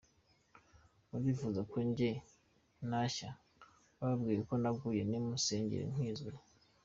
Murifuza ko njye nashya? Bababwiye ko naguye nimunsengere nkizwe.